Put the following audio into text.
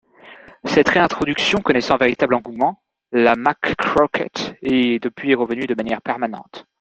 Cette réintroduction connaissant un véritable engouement, la McKroket est depuis revenue de manière permanente.